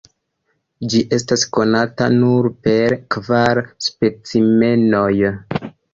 Ĝi estas konata nur per kvar specimenoj.